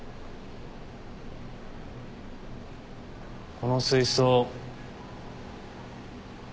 この水槽。